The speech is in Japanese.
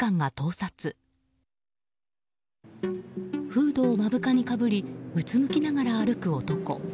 フードを目深にかぶりうつむきながら歩く男。